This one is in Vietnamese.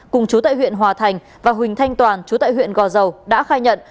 cùng chú tại huyện hòa thành và huỳnh thanh toàn chú tại huyện gò dầu đã khai nhận